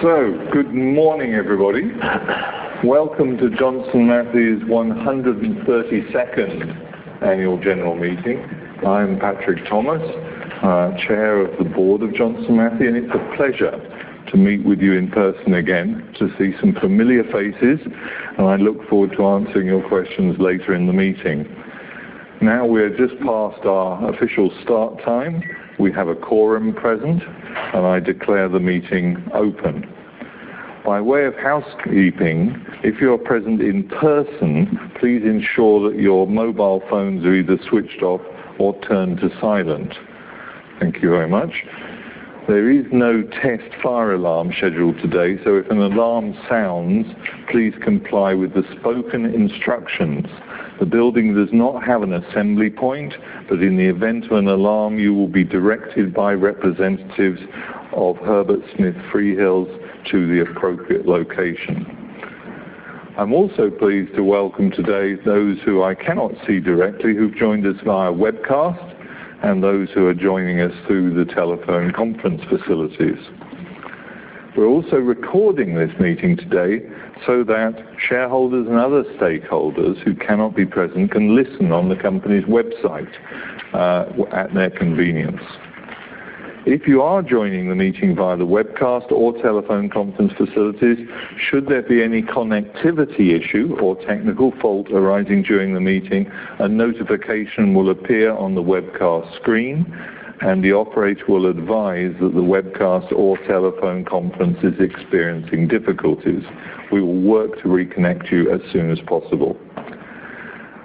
Good morning, everybody. Welcome to Johnson Matthey's 132nd annual general meeting. I'm Patrick Thomas, Chair of the Board of Johnson Matthey, and it's a pleasure to meet with you in person again, to see some familiar faces, and I look forward to answering your questions later in the meeting. We're just past our official start time. We have a quorum present, and I declare the meeting open. By way of housekeeping, if you're present in person, please ensure that your mobile phones are either switched off or turned to silent. Thank you very much. There is no test fire alarm scheduled today, so if an alarm sounds, please comply with the spoken instructions. The building does not have an assembly point, but in the event of an alarm, you will be directed by representatives of Herbert Smith Freehills to the appropriate location. I'm also pleased to welcome today those who I cannot see directly, who've joined us via webcast, and those who are joining us through the telephone conference facilities. We're also recording this meeting today so that shareholders and other stakeholders who cannot be present can listen on the company's website at their convenience. If you are joining the meeting via the webcast or telephone conference facilities, should there be any connectivity issue or technical fault arising during the meeting, a notification will appear on the webcast screen, and the operator will advise that the webcast or telephone conference is experiencing difficulties. We will work to reconnect you as soon as possible.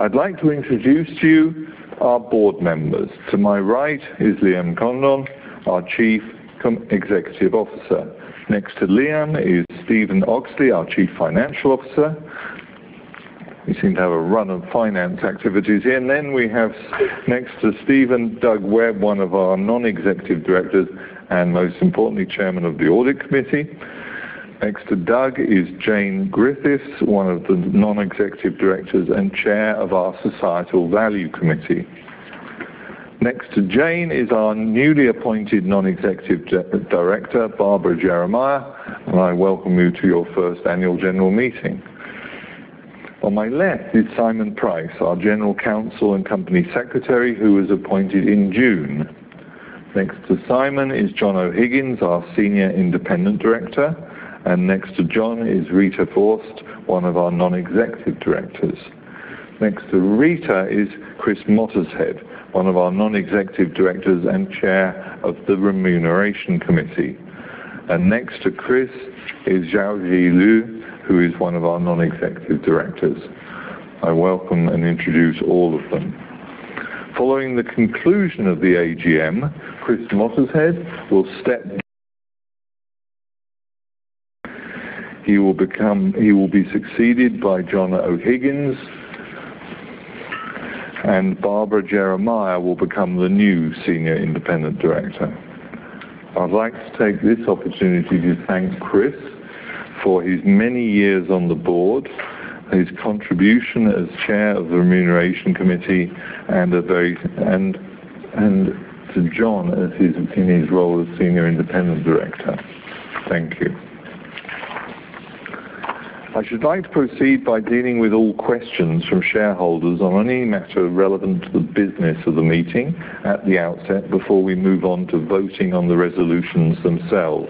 I'd like to introduce to you our board members. To my right is Liam Condon, our Chief Executive Officer. Next to Liam is Stephen Oxley, our Chief Financial Officer. We seem to have a run of finance activities here. We have, next to Stephen, Doug Webb, one of our non-executive directors and most importantly, Chairman of the Audit Committee. Next to Doug is Jane Griffiths, one of the non-executive directors and Chair of our Societal Value Committee. Next to Jane is our newly appointed non-executive director, Barbara Jeremiah. I welcome you to your first Annual General Meeting. On my left is Simon Price, our General Counsel and Company Secretary, who was appointed in June. Next to Simon is John O'Higgins, our Senior Independent Director. Next to John is Rita Forst, one of our non-executive directors. Next to Rita is Chris Mottershead, one of our non-executive directors and Chair of the Remuneration Committee. Next to Chris is Xiaozhi Liu, who is one of our non-executive directors. I welcome and introduce all of them. Following the conclusion of the AGM, Chris Mottershead will step. He will be succeeded by John O'Higgins, and Barbara Jeremiah will become the new Senior Independent Director. I'd like to take this opportunity to thank Chris for his many years on the board and his contribution as Chair of the Remuneration Committee, and to John, in his role as Senior Independent Director. Thank you. I should like to proceed by dealing with all questions from shareholders on any matter relevant to the business of the meeting at the outset, before we move on to voting on the resolutions themselves.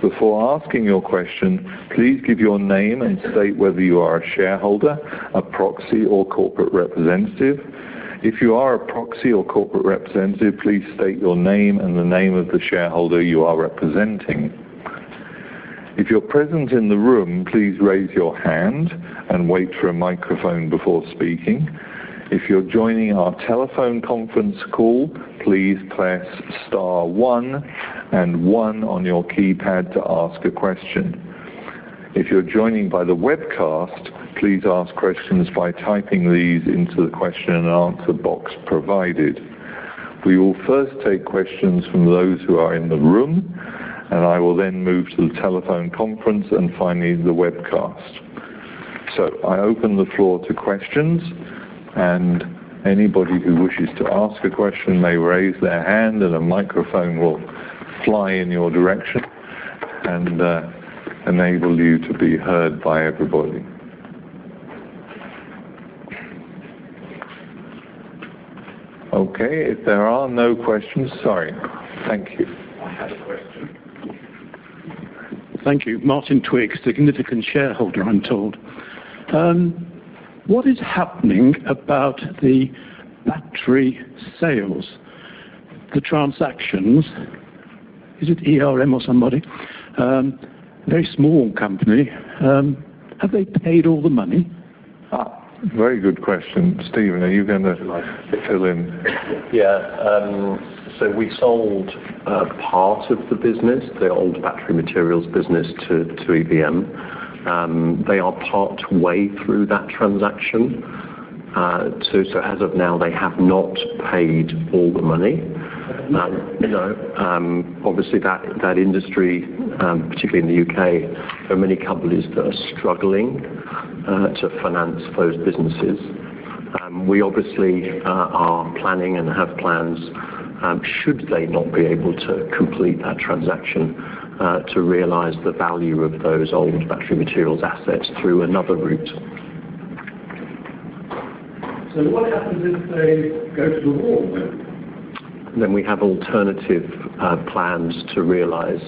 Before asking your question, please give your name and state whether you are a shareholder, a proxy, or corporate representative. If you are a proxy or corporate representative, please state your name and the name of the shareholder you are representing. If you're present in the room, please raise your hand and wait for a microphone before speaking. If you're joining our telephone conference call, please press star one and one on your keypad to ask a question. If you're joining by the webcast, please ask questions by typing these into the question and answer box provided. We will first take questions from those who are in the room, and I will then move to the telephone conference and finally, the webcast. I open the floor to questions, and anybody who wishes to ask a question may raise their hand, and a microphone will fly in your direction and enable you to be heard by everybody. If there are no questions. Sorry. Thank you. I had a question. Thank you. Martin Twigg, significant shareholder, I'm told. What is happening about the battery sales, the transactions? Is it EVM or somebody? Very small company. Have they paid all the money? Very good question. Stephen, are you going to, like, fill in? Yeah. We sold part of the business, the old Battery Materials business, to EVM. They are partway through that transaction. As of now, they have not paid all the money. You know, obviously, that industry, particularly in the UK, there are many companies that are struggling to finance those businesses. We obviously, are planning and have plans, should they not be able to complete that transaction, to realize the value of those old Battery Materials assets through another route. What happens if they go to the wall then? We have alternative plans to realize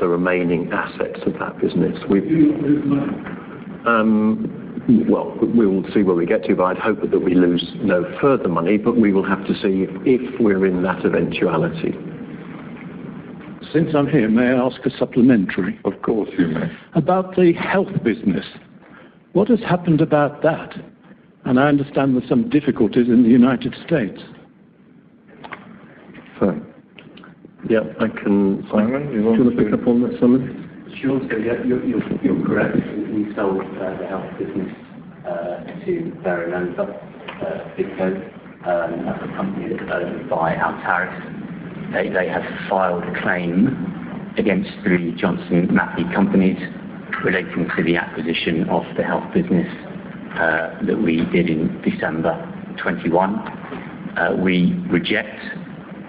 the remaining assets of that business. Do you lose money? Well, we will see where we get to, but I'd hope that we lose no further money, but we will have to see if we're in that eventuality. Since I'm here, may I ask a supplementary? Of course, you may. About the Health business, what has happened about that? I understand there's some difficulties in the United States. Simon, you want to do you want to pick up on that, Simon? Yeah, you're correct. We sold the Health business to Veranova because, as a company that's owned by Altaris. They have filed a claim against three Johnson Matthey companies relating to the acquisition of the Health business that we did in December 2021. We reject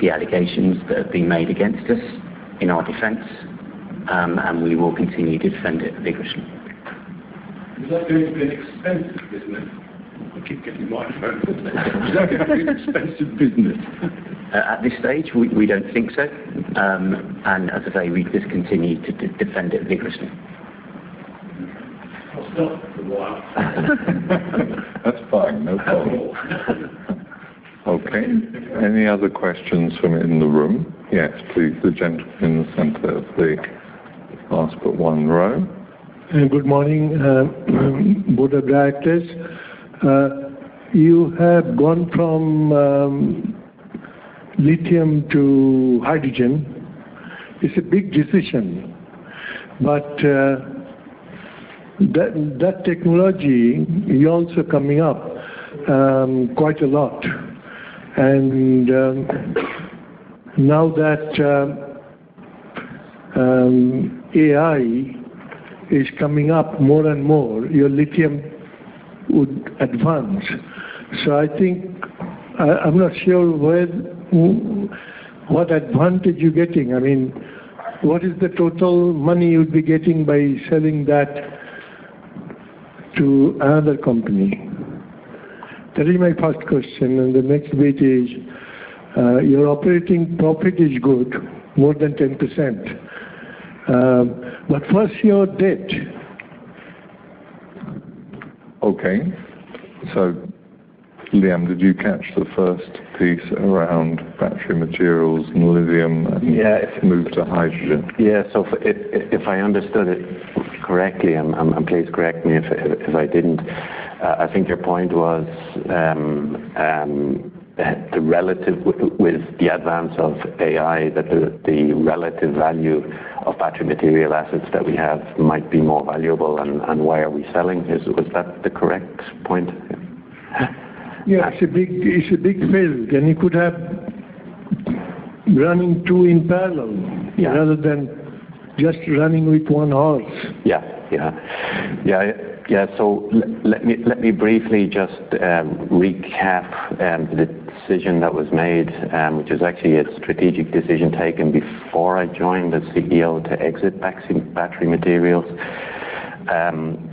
the allegations that have been made against us in our defense, and we will continue to defend it vigorously. Is that going to be an expensive business? I keep getting microphone. Is that going to be an expensive business? At this stage, we don't think so. As I say, we just continue to defend it vigorously. I'll stop for a while. That's fine. No problem at all. Okay. Any other questions from in the room? Yes, please, the gentleman in the center of the last but one row. Good morning, board of directors. You have gone from lithium to hydrogen. It's a big decision. That technology is also coming up quite a lot. Now that AI is coming up more and more, your lithium would advance. I think I'm not sure what advantage you're getting. I mean, what is the total money you'd be getting by selling that to another company? That is my first question. The next bit is, your operating profit is good, more than 10%. What's your debt? Okay. Liam, did you catch the first piece around Battery Materials and lithium? Yeah. Move to hydrogen? If I understood it correctly, and please correct me if I didn't, I think your point was that the relative with the advance of AI, that the relative value of battery material assets that we have might be more valuable, and why are we selling this? Was that the correct point? Yeah, it's a big field, you could have running two in parallel. Yeah. Rather than just running with one horse. Yeah. Yeah. Yeah, yeah. Let me briefly just recap the decision that was made, which is actually a strategic decision taken before I joined as CEO to exit Battery Materials.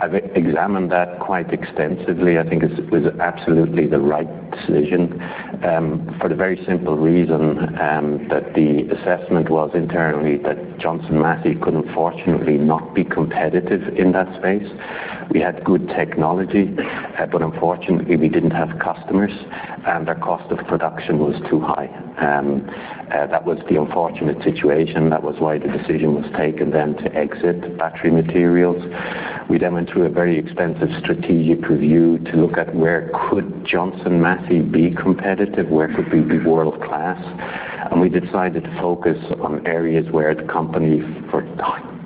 I've examined that quite extensively. I think it's was absolutely the right decision for the very simple reason that the assessment was internally that Johnson Matthey could unfortunately not be competitive in that space. We had good technology, but unfortunately, we didn't have customers, and our cost of production was too high. That was the unfortunate situation. That was why the decision was taken then to exit Battery Materials. We then went through a very extensive strategic review to look at where could Johnson Matthey be competitive, where could we be world-class, and we decided to focus on areas where the company, for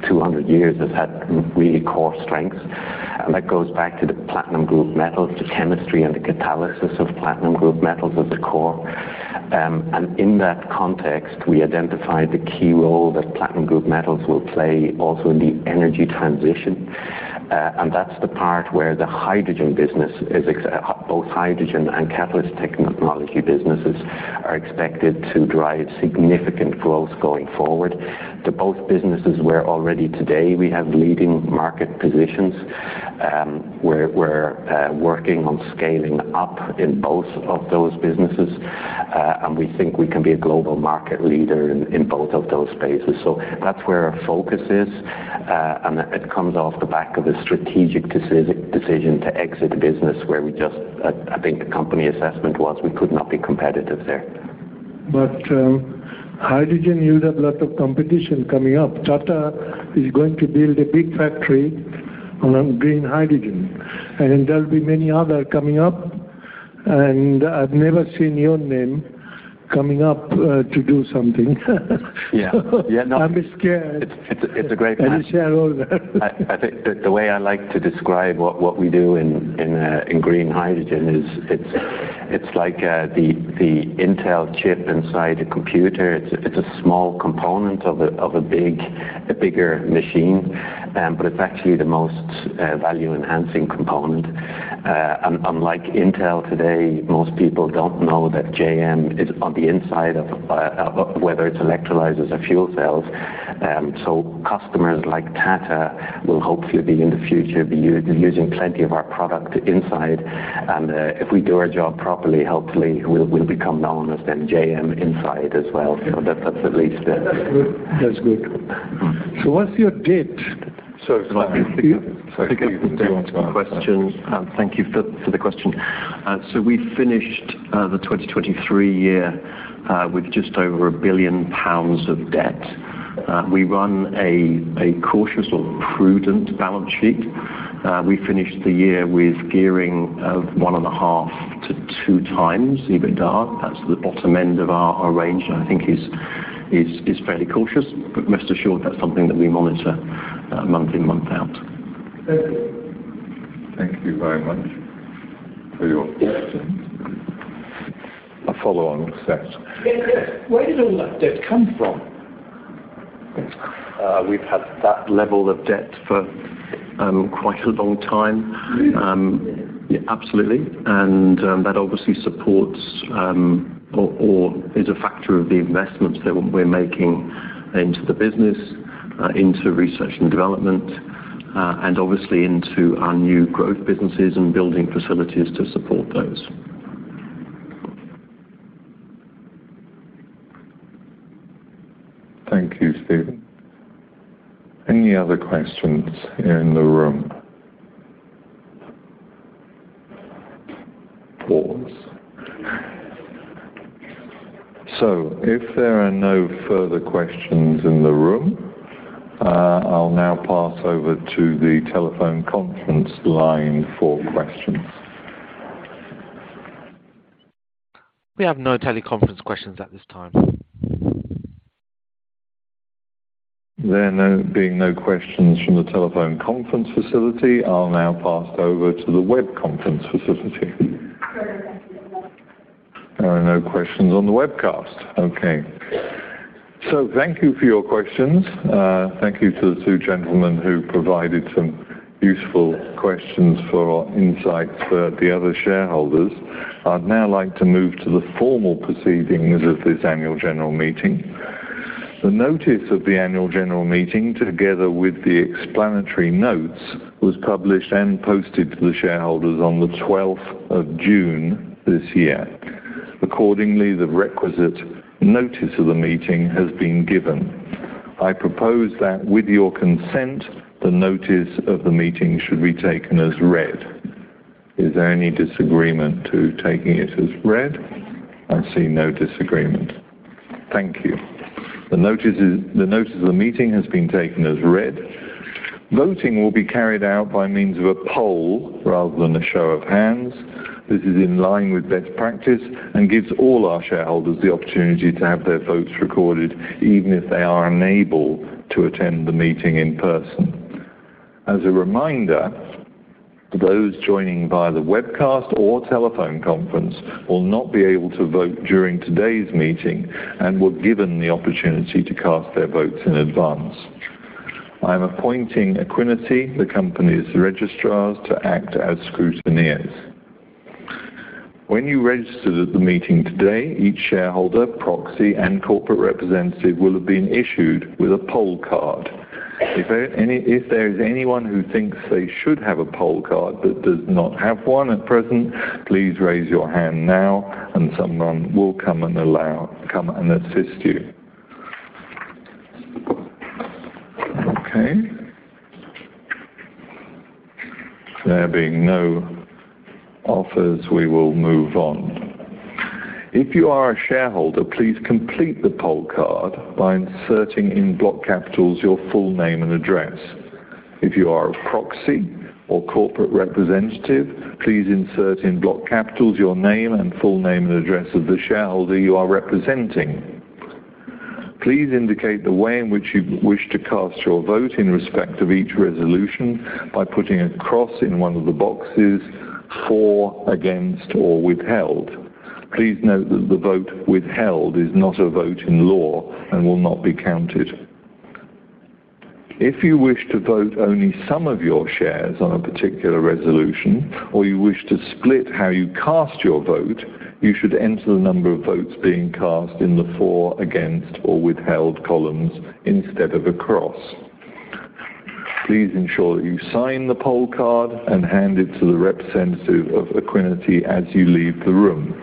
200 years, has had really core strengths. That goes back to the platinum group metals, the chemistry and the catalysis of platinum group metals at the core. In that context, we identified the key role that platinum group metals will play also in the energy transition. That's the part where the hydrogen business is both hydrogen and catalyst technology businesses are expected to drive significant growth going forward. To both businesses, where already today we have leading market positions, we're working on scaling up in both of those businesses, and we think we can be a global market leader in both of those spaces. That's where our focus is, and it comes off the back of a strategic decision to exit a business where we just I think the company assessment was we could not be competitive there. Hydrogen, you have a lot of competition coming up. Tata is going to build a big factory on green hydrogen, and there'll be many other coming up. I've never seen your name coming up to do something. Yeah. Yeah. I'm scared, as a shareholder. I think the way I like to describe what we do in green hydrogen is it's like the Intel chip inside a computer. It's a small component of a bigger machine, but it's actually the most value-enhancing component. Unlike Intel today, most people don't know that JM is on the inside of whether it's electrolyzers or fuel cells. Customers like Tata will hopefully be, in the future, be using plenty of our product inside. If we do our job properly, hopefully, we'll become known as then JM inside as well. That's at least. That's good. That's good. So what's your debt? Sorry, please, go on. Question. Thank you for the question. We finished the 2023 year with just over 1 billion pounds of debt. We run a cautious or prudent balance sheet. We finished the year with gearing of 1.5x-2x EBITDA. That's the bottom end of our range, and I think is fairly cautious. Rest assured, that's something that we monitor, month in, month out. Thank you. Thank you very much for your question. A follow on with that. Yes, yes. Where did all that debt come from? We've had that level of debt for quite a long time. Really? Yeah, absolutely, that obviously supports or is a factor of the investments that we're making into the business, into research and development, and obviously into our new growth businesses and building facilities to support those. Thank you, Stephen. Any other questions here in the room? If there are no further questions in the room, I'll now pass over to the telephone conference line for questions. We have no teleconference questions at this time. There now being no questions from the telephone conference facility, I'll now pass over to the web conference facility. There are no questions on the webcast. Okay. Thank you for your questions. Thank you to the two gentlemen who provided some useful questions for our insight for the other shareholders. I'd now like to move to the formal proceedings of this annual general meeting. The notice of the annual general meeting, together with the explanatory notes, was published and posted to the shareholders on the twelfth of June this year. Accordingly, the requisite notice of the meeting has been given. I propose that with your consent, the notice of the meeting should be taken as read. Is there any disagreement to taking it as read? I see no disagreement. Thank you. The notice of the meeting has been taken as read. Voting will be carried out by means of a poll rather than a show of hands. This is in line with best practice and gives all our shareholders the opportunity to have their votes recorded, even if they are unable to attend the meeting in person. As a reminder, those joining via the webcast or telephone conference will not be able to vote during today's meeting and were given the opportunity to cast their votes in advance. I'm appointing Equiniti, the company's registrars, to act as scrutineers. When you registered at the meeting today, each shareholder, proxy, and corporate representative will have been issued with a poll card. If there is anyone who thinks they should have a poll card but does not have one at present, please raise your hand now, and someone will come and assist you. Okay. There being no offers, we will move on. If you are a shareholder, please complete the poll card by inserting in block capitals your full name and address. If you are a proxy or corporate representative, please insert in block capitals your name and full name and address of the shareholder you are representing. Please indicate the way in which you wish to cast your vote in respect of each resolution by putting a cross in one of the boxes: for, against, or withheld. Please note that the vote withheld is not a vote in law and will not be counted. If you wish to vote only some of your shares on a particular resolution or you wish to split how you cast your vote, you should enter the number of votes being cast in the for, against, or withheld columns instead of a cross. Please ensure you sign the poll card and hand it to the representative of Equiniti as you leave the room.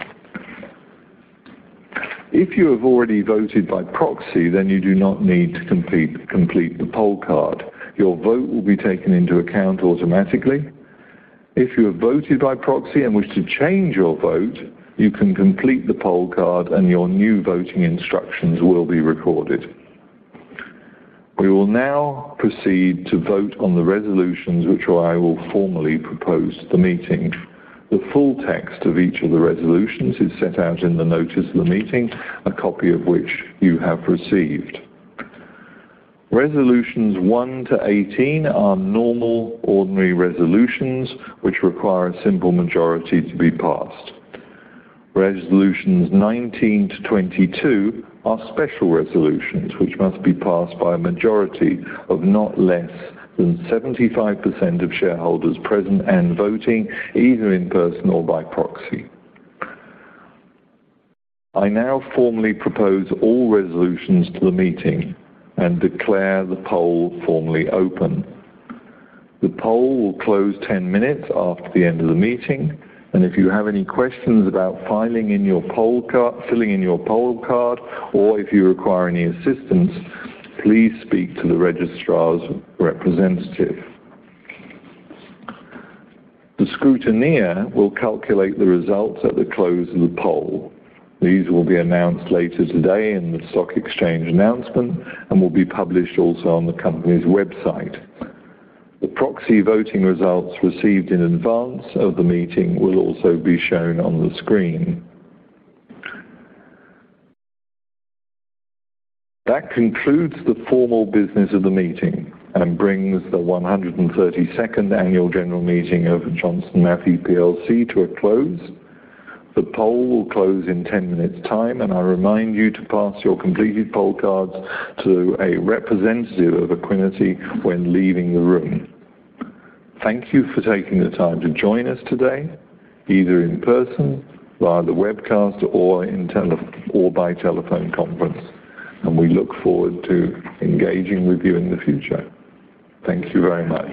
If you have already voted by proxy, you do not need to complete the poll card. Your vote will be taken into account automatically. If you have voted by proxy and wish to change your vote, you can complete the poll card, and your new voting instructions will be recorded. We will now proceed to vote on the resolutions which I will formally propose to the meeting. The full text of each of the resolutions is set out in the notice of the meeting, a copy of which you have received. Resolutions one to 18 are normal, ordinary resolutions, which require a simple majority to be passed. Resolutions 19 to 22 are special resolutions, which must be passed by a majority of not less than 75% of shareholders present and voting, either in person or by proxy. I now formally propose all resolutions to the meeting and declare the poll formally open. The poll will close 10 minutes after the end of the meeting, and if you have any questions about filling in your poll card, or if you require any assistance, please speak to the registrar's representative. The scrutineer will calculate the results at the close of the poll. These will be announced later today in the stock exchange announcement and will be published also on the company's website. The proxy voting results received in advance of the meeting will also be shown on the screen. That concludes the formal business of the meeting and brings the 132nd annual general meeting of Johnson Matthey plc to a close. The poll will close in 10 minutes' time, and I remind you to pass your completed poll cards to a representative of Equiniti when leaving the room. Thank you for taking the time to join us today, either in person, via the webcast, or by telephone conference, and we look forward to engaging with you in the future. Thank you very much.